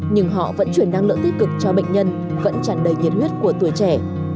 nhưng họ vẫn chuyển năng lượng tích cực cho bệnh nhân vẫn chẳng đầy nhiệt huyết của tuổi trẻ